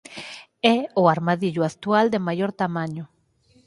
É o armadillo actual de maior tamaño.